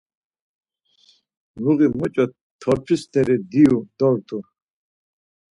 Luği muç̌o torpi st̆eri diyu dort̆u.